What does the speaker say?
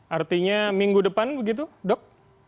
artinya minggu depan begitu dok